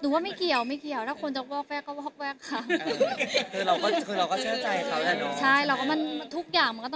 แต่ว่าเค้าไม่ค่อยจะวอกแวกหรือเปล่า